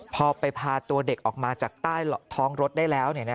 พอไปพาตัวเด็กออกมาจากใต้ท้องรถได้แล้ว